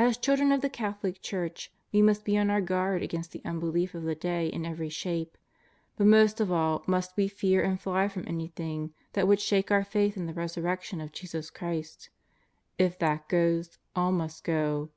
As children of the Catholic Church, we must be on our guard against the unbelief of the day in every shape. But most of all must we fear and fly from anything that w^ould shake our faith in the Resurrec tion of Jesus Christ. If that goes, all must go.